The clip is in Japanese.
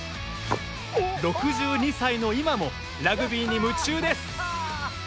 ６２歳の今もラグビーに夢中です。